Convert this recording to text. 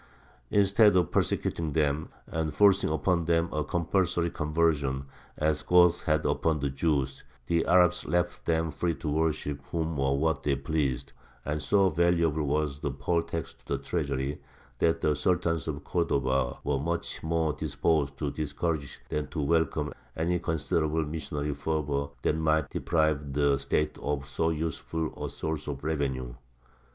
Instead of persecuting them, and forcing upon them a compulsory conversion, as the Goths had upon the Jews, the Arabs left them free to worship whom or what they pleased; and so valuable was the poll tax to the treasury, that the Sultans of Cordova were much more disposed to discourage than to welcome any considerable missionary fervour that might deprive the State of so useful a source of revenue.